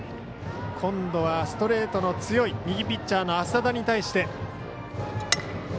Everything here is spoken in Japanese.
今度はストレートの強い右ピッチャーの浅田に対して。